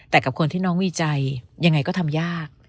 แต่กับคนที่น้องมีใจยังไงก็ทำยาก